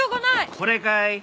これかい？